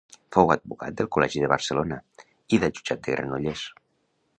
Fou advocat del Col·legi de Barcelona i del Jutjat de Granollers.